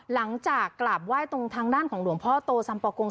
หลังจากกราบไหว้ตรงทางด้านของหลวงพ่อโตสัมปะกง